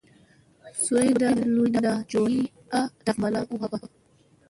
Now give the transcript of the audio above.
Zoyda ludiida guduygi a ɗaf balda u happa.